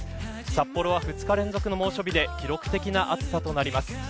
札幌は２日連続の猛暑日で記録的な暑さとなります。